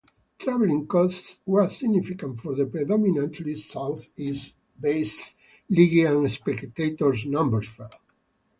Travelling costs were significant for the predominantly south-east based league and spectator numbers fell.